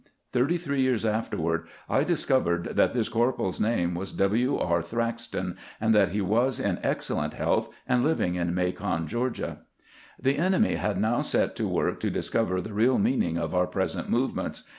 Thirty three years afterward I discovered that this cor poral's name was W. E. Thraxton, and that he was in excellent health and living in Macon, Georgia. The enemy had now set to work to discover the real meaning of our present movements.